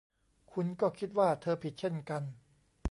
คุณก็คิดว่าเธอผิดเช่นกัน